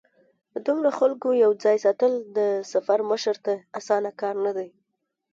د دومره خلکو یو ځای ساتل د سفر مشر ته اسانه کار نه دی.